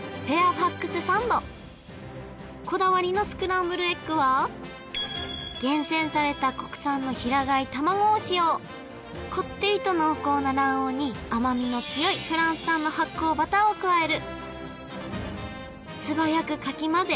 ファックスサンドこだわりのスクランブルエッグは厳選されたこってりと濃厚な卵黄に甘みの強いフランス産の発酵バターを加える素早くかき混ぜ